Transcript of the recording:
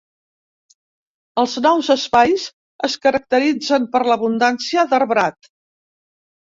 Els nous espais es caracteritzen per l'abundància d'arbrat.